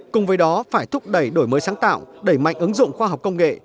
cùng với đó phải thúc đẩy đổi mới sáng tạo đẩy mạnh ứng dụng khoa học công nghệ